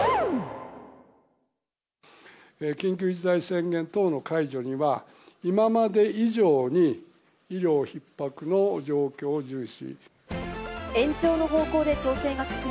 緊急事態宣言等の解除には、今まで以上に、医療ひっ迫の状況を重視。